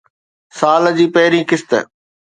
سال جي پهرين قسط